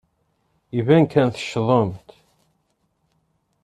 Iban kan teccḍemt.